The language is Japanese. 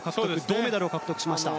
銅メダルを獲得しました。